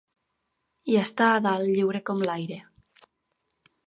I està a dalt lliure com l'aire.